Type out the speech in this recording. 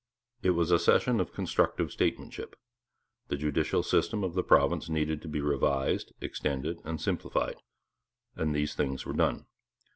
It was a session of constructive statesmanship. The judicial system of the province needed to be revised, extended, and simplified; and these things were done.